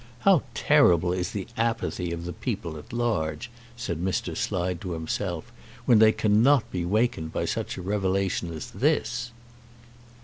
"How terrible is the apathy of the people at large," said Mr. Slide to himself, "when they cannot be wakened by such a revelation as this!"